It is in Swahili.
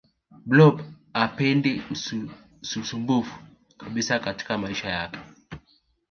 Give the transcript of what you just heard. blob hapendi ususmbufu kabisa katika maisha yake